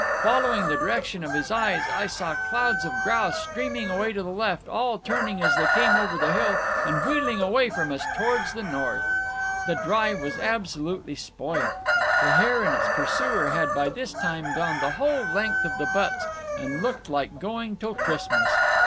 Following the direction of his eyes, I saw clouds of grouse streaming away to the left, all turning as they came over the hill, and wheeling away from us towards the north. "The drive was absolutely spoilt. The hare and its pursuer had by this time gone the whole length of the butts, and looked like going till Christmas.